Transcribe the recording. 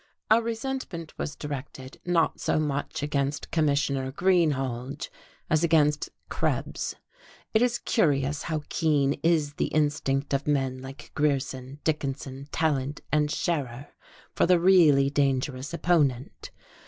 Our resentment was directed, not so much against Commissioner Greenhalge as against Krebs. It is curious how keen is the instinct of men like Grierson, Dickinson, Tallant and Scherer for the really dangerous opponent.